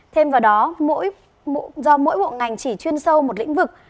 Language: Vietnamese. thêm vào đó do mỗi bộ ngành chỉ chuyên sâu một lĩnh vực